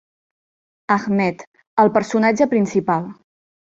Ahmed: el personatge principal.